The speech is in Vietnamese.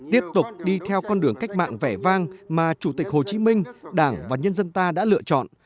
tiếp tục đi theo con đường cách mạng vẻ vang mà chủ tịch hồ chí minh đảng và nhân dân ta đã lựa chọn